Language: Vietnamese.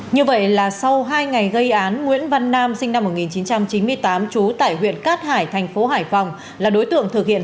như vậy là sau hai ngày gây án nguyễn văn nam sinh năm một nghìn chín trăm chín mươi tám trú tại huyện cát hải thành phố hải phòng là đối tượng thực hiện